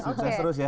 sukses terus ya